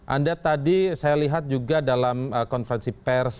anda tadi saya lihat juga dalam konferensi pers